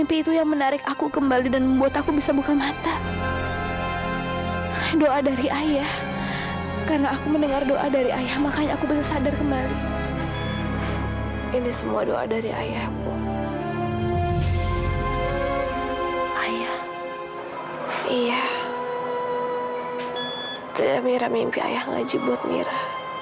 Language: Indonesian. itu yang mimpi ayah ngaji buat mira